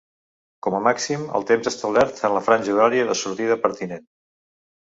Com a màxim el temps establert en la franja horària de sortida pertinent.